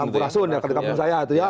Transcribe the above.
sampurasun ya ketika pun saya itu ya